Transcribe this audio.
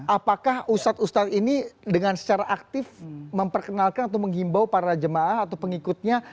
apakah ustadz ustadz ini dengan secara aktif memperkenalkan atau menghimbau para jemaah atau pengikutnya